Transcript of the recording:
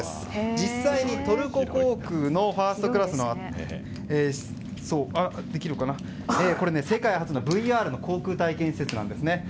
実際にトルコ航空のファーストクラスのもので世界初のＶＲの航空体験施設なんです。